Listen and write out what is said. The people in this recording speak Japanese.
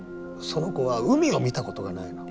その子は海を見た事がないの。